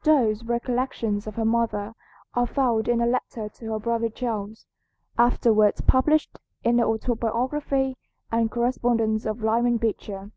Stowe's recollections of her mother are found in a letter to her brother Charles, afterwards published in the "Autobiography and Correspondence of Lyman Beecher."